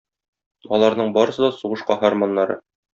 Аларның барысы да сугыш каһарманнары.